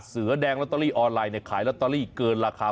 เสือแดงลอตเตอรี่ออนไลน์เนี่ยขายลอตเตอรี่เกินราคา